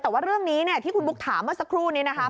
แต่ว่าเรื่องนี้ที่คุณบุกถามเมื่อสักครู่นี้นะครับ